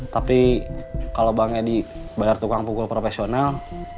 tapi kalau bang edi bayar tukang pukul profesional